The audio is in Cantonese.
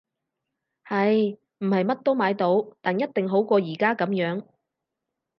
係！唔係乜都買到，但一定好過而家噉樣